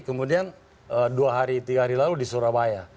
kemudian dua hari tiga hari lalu di surabaya